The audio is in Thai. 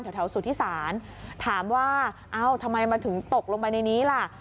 แถวสุธิศาลถามว่าเอ้าทำไมมันถึงตกลงไปในนี้ล่ะ